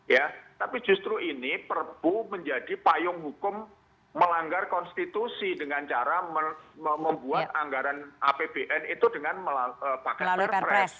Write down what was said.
itu justru ini perpu menjadi payung hukum melanggar konstitusi dengan cara membuat anggaran apbn itu dengan melalui barpres